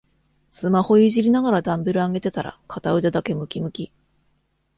スマホいじりながらダンベル上げてたら片腕だけムキムキ